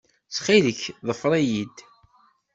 Ttxil-k, ḍfer-iyi-d.